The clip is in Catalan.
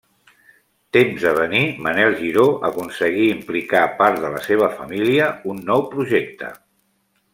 Temps a venir, Manuel Giró aconseguí implicar part de la seva família un nou projecte.